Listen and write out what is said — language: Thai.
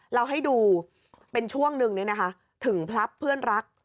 เราให้ดูเป็นช่วงนึงเนี่ยนะคะถึงพลับเพื่อนรัก